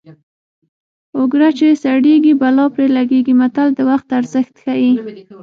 اوګره چې سړېږي بلا پرې لګېږي متل د وخت ارزښت ښيي